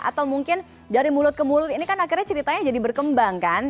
atau mungkin dari mulut ke mulut ini kan akhirnya ceritanya jadi berkembang kan